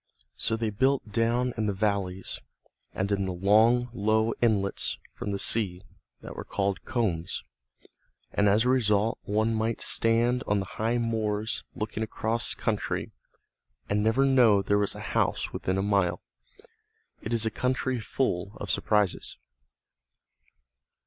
So they built down in the valleys and in the long low inlets from the sea that were called combes, and as a result one might stand on the high moors looking across country, and never know there was a house within a mile. It is a country full of surprises.